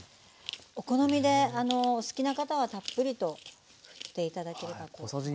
お好みでお好きな方はたっぷりとふって頂ければと思います。